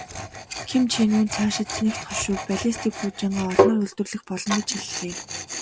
Ким Чен Ун цаашид цэнэгт хошуу, баллистик пуужингаа олноор үйлдвэрлэх болно гэж хэллээ.